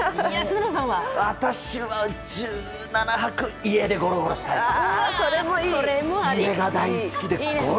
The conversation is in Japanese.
私は１７泊家でゴロゴロしたいです。